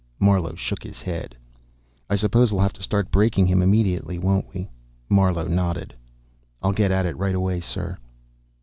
Marlowe shook his head. "I suppose we'll have to start breaking him immediately, won't we?" Marlowe nodded. "I'll get at it right away, sir."